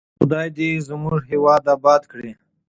خدای دې زموږ هېواد اباد کړي.